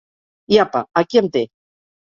I apa, aquí em té!